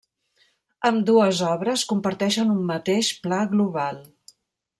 Ambdues obres comparteixen un mateix pla global.